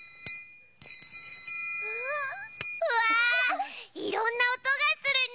うわいろんなおとがするね！